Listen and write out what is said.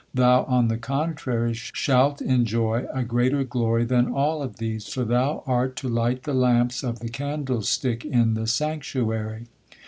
Thou, on the contrary, shalt enjoy a greater glory than all of these, for thou art to light the lamps of the candlestick in the sanctuary.'"